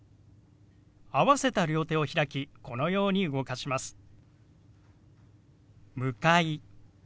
合わせた両手を開きこのように動かします。